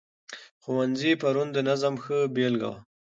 ښوونځي پرون د نظم ښه بېلګه وه.